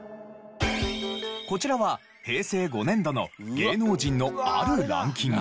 こちらは平成５年度の芸能人のあるランキング。